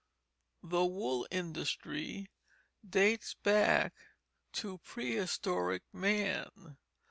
The wool industry dates back to prehistoric man.